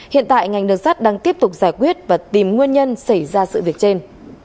hiện tại ngành đường sắt đang tiếp tục giải quyết và tìm nguyên nhân xảy ra sự việc trên